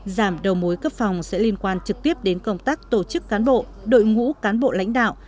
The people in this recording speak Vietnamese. giảm đầu mối cấp phòng sẽ liên quan trực tiếp đến công tác tổ chức cán bộ đội ngũ cán bộ lãnh đạo